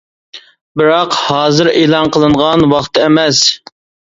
بىراق ھازىر ئېلان قىلىدىغان ۋاقتى ئەمەس.